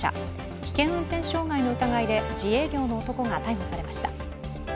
危険運転傷害の疑いで自営業の男が逮捕されました。